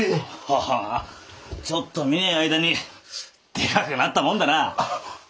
ははあちょっと見ねえ間にでかくなったもんだな。